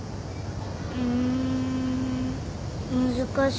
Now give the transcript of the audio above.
うーん難しい。